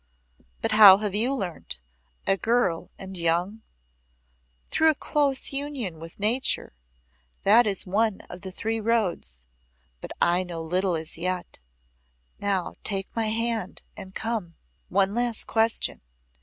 "But how have you learnt a girl and young?" "Through a close union with Nature that is one of the three roads. But I know little as yet. Now take my hand and come. "One last question.